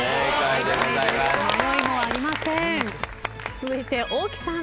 続いて大木さん。